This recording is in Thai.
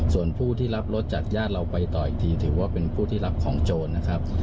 ส่วนผู้ที่รับรถจากญาติเราไปต่ออีกทีถือว่าเป็นผู้ที่รับของโจรนะครับ